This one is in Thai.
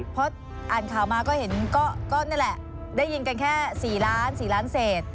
เพราะอ่านข่าวมาก็เห็นก็นี่แหละได้ยินกันแค่๔ล้าน๔ล้านเศษ